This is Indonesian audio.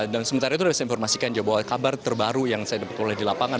dan sementara itu saya bisa informasikan juga bahwa kabar terbaru yang saya dapat oleh di lapangan